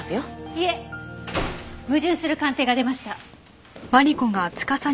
いえ矛盾する鑑定が出ました。